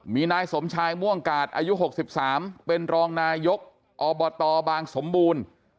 มีนายสมชายม่วงกาดอายุ๖๓เป็นรองนายกอบตบางสมบูรณ์